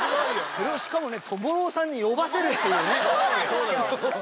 それをしかもねトモロヲさんに読ませるっていうね。